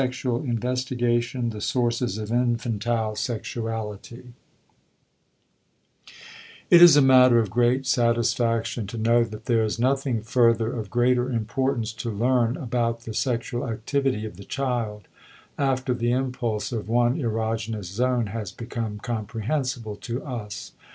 THE MASTURBATIC SEXUAL MANIFESTATIONS It is a matter of great satisfaction to know that there is nothing further of greater importance to learn about the sexual activity of the child after the impulse of one erogenous zone has become comprehensible to us.